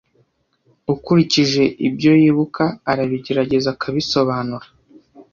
ukurikije ibyo yibuka arabigerageza akabisobanura